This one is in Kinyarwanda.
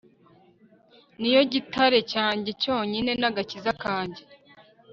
Ni yo gitare cyanjye yonyine n agakiza kanjye